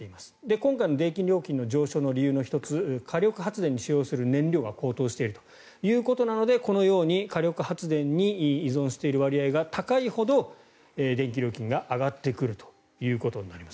今回の電気料金の上昇の理由の１つ火力発電に使用する燃料が高騰しているのでこのように火力発電に依存している割合が高いほど電気料金が上がってくるということになります。